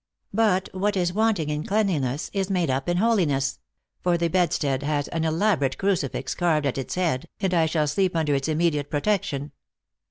But what is wanting in cleanliness is made up in holiness ; for the bedstead has an elaborate crucifix carved at its head, and I shall sleep under its immediate pro tection.